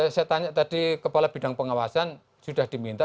saya tanya tadi kepala bidang pengawasan sudah diminta